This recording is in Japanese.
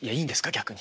逆に。